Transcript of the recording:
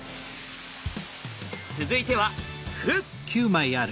続いては歩！